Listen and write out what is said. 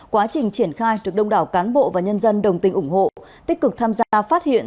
quá trình triển khai được đông đảo cán bộ và nhân dân đồng tình ủng hộ tích cực tham gia phát hiện